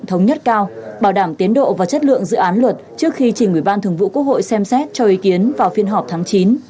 thống nhất cao bảo đảm tiến độ và chất lượng dự án luật trước khi chỉnh ủy ban thường vụ quốc hội xem xét cho ý kiến vào phiên họp tháng chín